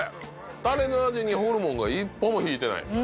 タレの味にホルモンが一歩も引いてない